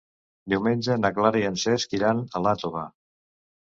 Diumenge na Clara i en Cesc iran a Iàtova.